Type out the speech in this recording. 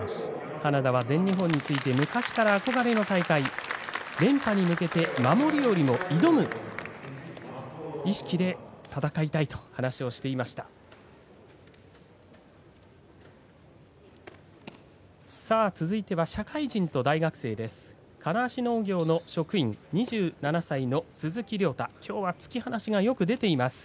花田は全日本について昔から憧れの大会、連覇に向けて守るより挑む意識で戦いたいと話していました。